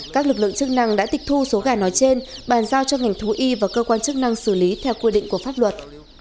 các lực lượng chức năng đã tịch thu số gà nói trên bàn giao cho ngành thú y và cơ quan chức năng xử lý theo quy định của pháp luật